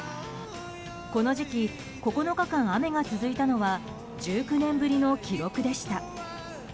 この時期、９日間雨が続いたのは１９年ぶりの記録でした。